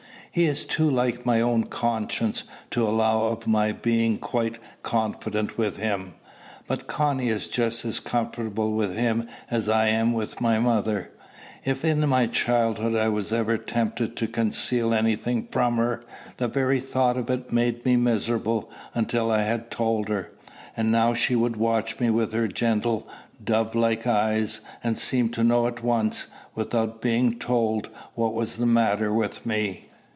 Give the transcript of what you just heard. He is too like my own conscience to allow of my being quite confident with him. But Connie is just as comfortable with him as I am with my mother. If in my childhood I was ever tempted to conceal any thing from her, the very thought of it made me miserable until I had told her. And now she would watch me with her gentle, dove like eyes, and seemed to know at once, without being told, what was the matter with me.